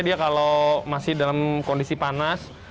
dia kalau masih dalam kondisi panas